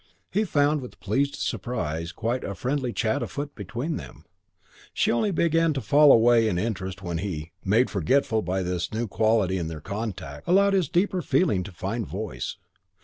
He found with pleased surprise quite a friendly chat afoot between them. She only began to fall away in interest when he, made forgetful by this new quality in their contact, allowed his deeper feelings to find voice.